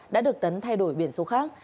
đã được tấn thay đổi biển số khác